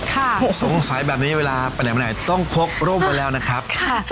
ดูสภาพแล้วเปลี่ยนมาก็ดีนะครับ